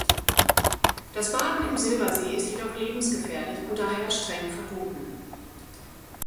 Das Baden im Silbersee ist jedoch lebensgefährlich und daher streng verboten.